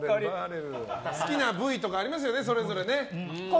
好きな部位とかありますよね。